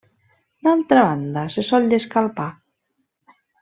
D'altra banda se sol llescar el pa.